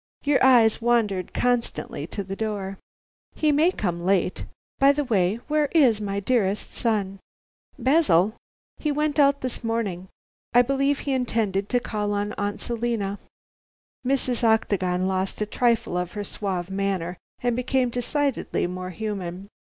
Your eyes wandered constantly to the door. He may come late. By the way, where is my dearest son?" "Basil? He went out this morning. I believe he intended to call on Aunt Selina." Mrs. Octagon lost a trifle of her suave manner, and became decidedly more human.